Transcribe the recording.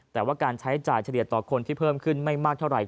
แต่ว่าการใช้จ่ายเฉลี่ยต่อคนที่เพิ่มขึ้นไม่มากเท่าไหร